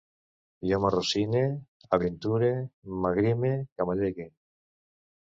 Jo m'arrossine, aventure, m'agrime, camallege